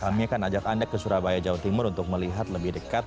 kami akan ajak anda ke surabaya jawa timur untuk melihat lebih dekat